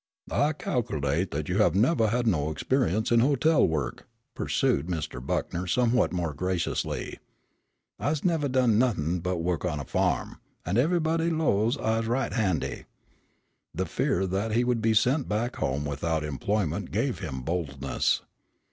"I ca'culate that you have nevah had no experience in hotel work," pursued Mr. Buckner somewhat more graciously. "I's nevah done nuffin' but wo'k on a farm; but evahbody 'lows I's right handy." The fear that he would be sent back home without employment gave him boldness.